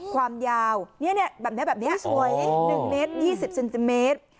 ความยาวแบบนี้แบบนี้สวย๑เมตร๒๐เซนติเมตร